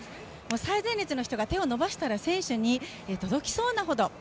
最前列の人が手を伸ばしたら選手に届きそうなほど。